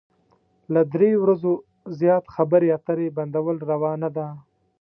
له درې ورځو زيات خبرې اترې بندول روا نه ده.